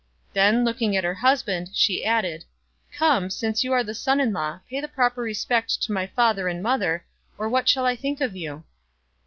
Then, looking at her husband, she added, " Come, since you are the son in law, pay the proper respect to my father and mother, or what shall I think of you?"